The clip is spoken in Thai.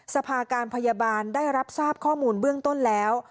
สภาการพยาบาลได้รับทราบข้อมูลเบื้องต้นแล้ว